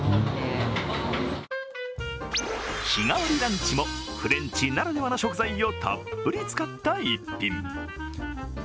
日替わりランチもフレンチならではの食材をたっぷり使った逸品。